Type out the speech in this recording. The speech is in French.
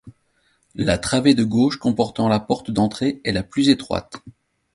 La travée de gauche comportant la porte d'entrée est la plus étroite.